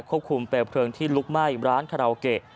และควบคุมเปลี่ยนเพลิงที่ลุกไหม้ร้านคาราโอเกะ